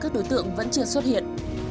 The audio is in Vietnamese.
các đối tượng vẫn chưa xuất hiện